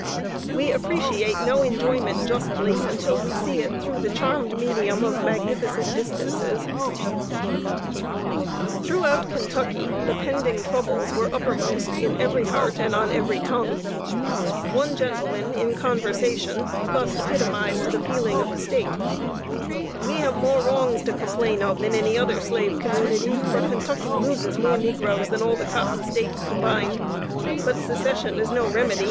We appreciate no enjoyment justly, until we see it through the charmed medium of magnificent distances. [Sidenote: POLITICAL FEELING IN KENTUCKY.] Throughout Kentucky the pending troubles were uppermost in every heart and on every tongue. One gentleman, in conversation, thus epitomized the feeling of the State: "We have more wrongs to complain of than any other slave community, for Kentucky loses more negroes than all the cotton States combined. But Secession is no remedy.